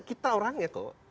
kita orangnya kok